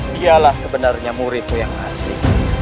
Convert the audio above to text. dialah sebenarnya muridku yang asli